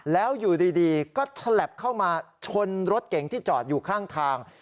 แล้วอยู่ดีก็ฉลับเข้ามาชนรถเก๋งที่จอดอยู่ข้างทาง